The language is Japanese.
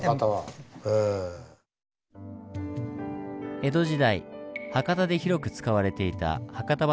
江戸時代博多で広く使われていた博多鋏。